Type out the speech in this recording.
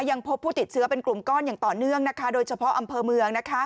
ยังพบผู้ติดเชื้อเป็นกลุ่มก้อนอย่างต่อเนื่องนะคะโดยเฉพาะอำเภอเมือง